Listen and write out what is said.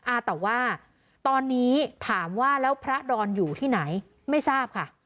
อ่าแต่ว่าตอนนี้ถามว่าแล้วพระดอนอยู่ที่ไหนไม่ทราบค่ะ